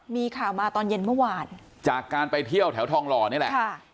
มีข่าวมาตอนเย็นเมื่อวานจากการไปเที่ยวแถวทองหล่อนี่แหละค่ะ